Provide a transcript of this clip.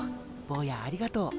ぼうやありがとう。